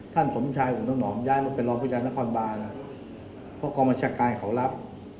ท่านสมชายอุ๋มน้ำหนอมย้ายมาเป็นรอบผู้ชายนครบาลเพราะกองประชาการเขารับ